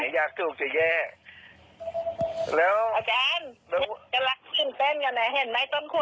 กำลังสิ้นเต้นกันนะเห็นไหม